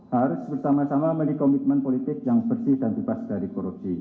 harus bersama sama memiliki komitmen politik yang bersih dan bebas dari korupsi